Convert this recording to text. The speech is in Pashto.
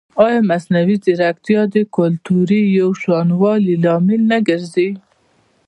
ایا مصنوعي ځیرکتیا د کلتوري یوشان والي لامل نه ګرځي؟